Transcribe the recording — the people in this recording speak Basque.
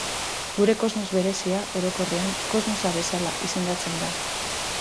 Gure kosmos berezia, orokorrean, Kosmosa bezala izendatzen da.